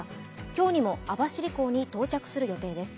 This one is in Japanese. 今日にも網走港に到着する予定です。